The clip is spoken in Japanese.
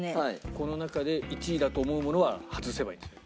この中で１位だと思うものは外せばいいんですよ